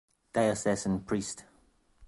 Diocesan priest.